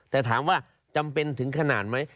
แต่ถามว่าจำเป็นถึงขนาดไหม